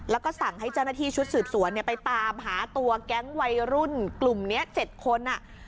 แล้วก็สั่งให้เจ้าหน้าที่ชุดสืบสวนไปตามหาตัวแก๊งวัยรุ่นกลุ่มนี้๗คน